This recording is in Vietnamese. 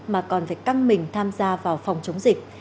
mà còn phải căng mình tham gia vào phòng chống dịch